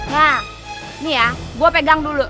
nah ini ya gue pegang dulu